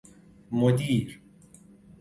مدیر